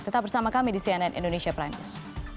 tetap bersama kami di cnn indonesia prime news